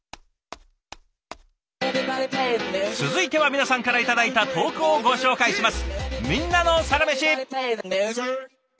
続いては皆さんから頂いた投稿をご紹介します。